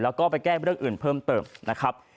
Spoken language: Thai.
แล้วก็ไปแก้เรื่องอื่นเพิ่มเติมนะครับ